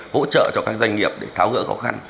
hỗ trợ cho các doanh nghiệp để tháo gỡ khó khăn